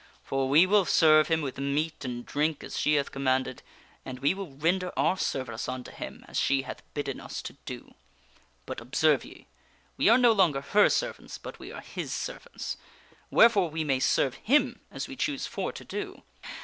For we will serve him with meat and drink as she hath commanded ; and we will render our service unto him as she hath bidden us to do. But observe ye ; we are no longer her servants, but we are his servants ; wherefore we may serve him as we choose for to do.